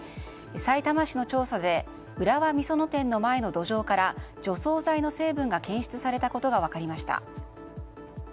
さいたま市の調査で浦和美園店の前の土壌から除草剤の成分が検出されたことが分かりました。